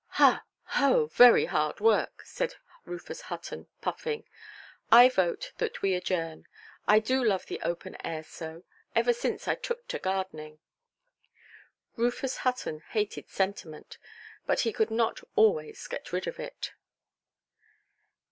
"Hah, ho, very hard work"! said Rufus Hutton, puffing; "I vote that we adjourn. I do love the open air so, ever since I took to gardening". Rufus Hutton hated "sentiment", but he could not always get rid of it.